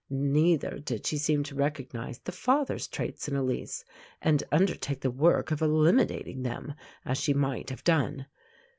Neither did she seem to recognize the father's traits in Elise, and undertake the work of eliminating them, as she might have done.